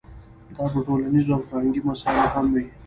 دا په ټولنیزو او فرهنګي مسایلو هم وي.